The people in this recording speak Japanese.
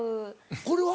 これは？